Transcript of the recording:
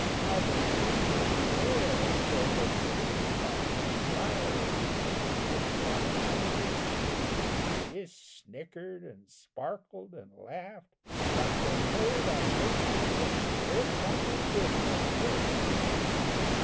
how they gleamed in the air, till they seemed Like the fiery tongued imps on a spree Jest snickered an' sparkled an' laughed like they knowed I'd make my next trip on a different road.